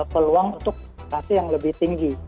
peluang untuk investasi yang lebih tinggi